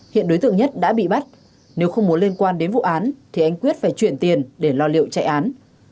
hiện đối tượng nhất đã bị bắt nếu không muốn liên quan đến vụ án thì anh quyết phải chuyển tiền để lo liệu chạy án